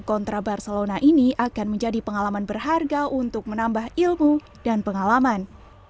kontra barcelona ini akan menjadi pengalaman berharga untuk menambah ilmu dan pengalaman